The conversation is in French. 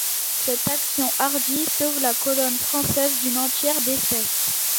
Cette action hardie sauve la colonne française d’une entière défaite.